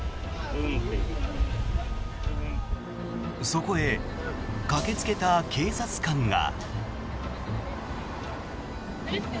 そこへ駆けつけた警察官が。